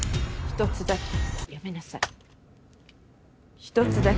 ひとつだけやめなさい。